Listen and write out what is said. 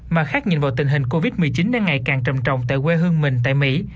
mà khác nhìn vào tình hình covid một mươi chín đang ngày càng trầm trọng tại quê hương mình tại mỹ